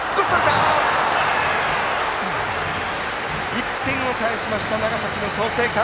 １点を返しました長崎の創成館！